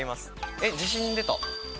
え、自信出た。